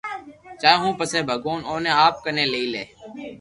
چاھي ھون پسي ڀگوان اوني آپ ڪني ليئي لي